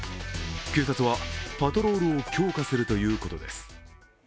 警察はパトロールを強化するということです。